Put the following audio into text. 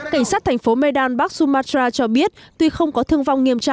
cảnh sát thành phố medan bắc sumatra cho biết tuy không có thương vong nghiệp